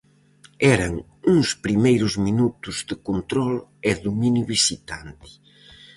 Eran uns primeiros minutos de control e dominio visitante.